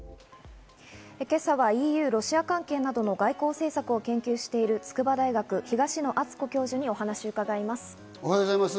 今朝はＥＵ・ロシア関係などの外交政策を研究している筑波大学・東野篤子教授にお話を伺いまおはようございます。